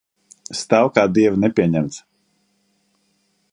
Stāv kā dieva nepieņemts.